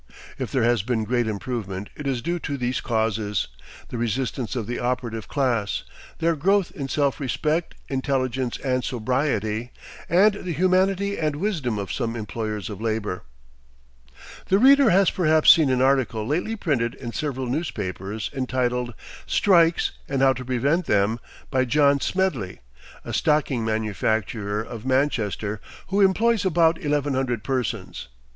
If there has been great improvement, it is due to these causes: The resistance of the operative class; their growth in self respect, intelligence, and sobriety; and the humanity and wisdom of some employers of labor. The reader has perhaps seen an article lately printed in several newspapers entitled: "Strikes and How to Prevent Them," by John Smedley, a stocking manufacturer of Manchester, who employs about eleven hundred persons.